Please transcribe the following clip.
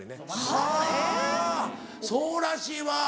はぁそうらしいわ。